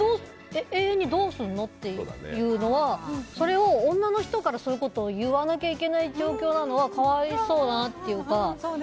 永遠にどうするのというのはそれを女の人からそういうことを言わない状況なのは可哀想だなっていうか。